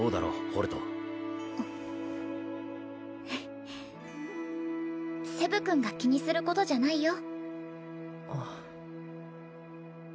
ホルトセブ君が気にすることじゃないよ